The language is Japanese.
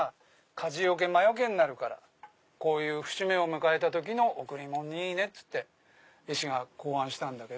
火事よけ魔よけになるからこういう節目を迎えた時の贈りもんにいいねっつって絵師が考案したんだけど。